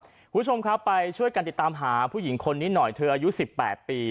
คุณผู้ชมครับไปช่วยกันติดตามหาผู้หญิงคนนี้หน่อยเธออายุ๑๘ปี